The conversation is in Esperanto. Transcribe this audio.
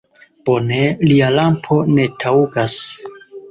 Bone, lia lampo ne taŭgas!